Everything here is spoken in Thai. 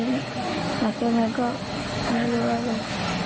และแกงก็นั่นเองอย่างนั้น